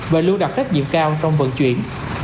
và luôn đặt trách nhiệm cao trong vận chuyển